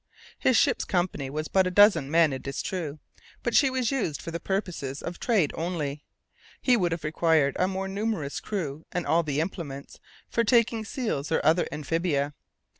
His ship's company was but a dozen men, it is true, but she was used for the purposes of trade only; he would have required a more numerous crew, and all the implements, for taking seals and other amphibia.